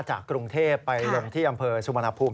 จากกรุงเทพไปลงที่อำเภอสุวรรณภูมิ